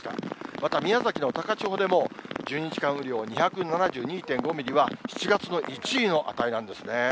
また宮崎の高千穂でも、１２時間雨量２７２．５ミリは、７月の１位の値なんですね。